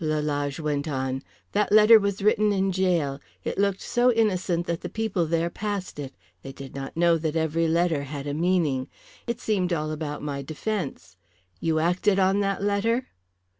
Lalage went on. "That letter was written in gaol. It looked so innocent that the people there passed it. They did not know that every letter had a meaning. It seemed all about my defence. You acted on that letter?"